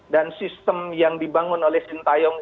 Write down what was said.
dan sistem yang dibangun oleh sinteyong